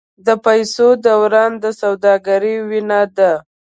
د پیسو دوران د سوداګرۍ وینه ده.